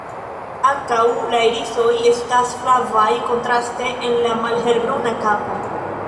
Ankaŭ la irisoj estas flavaj, kontraste en la malhelbruna kapo.